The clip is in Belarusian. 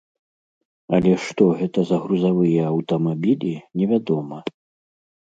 Але што гэта за грузавыя аўтамабілі невядома.